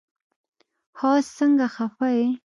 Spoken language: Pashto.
هوس سنګه خفه يي